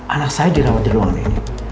anak saya dirawat di ruang ini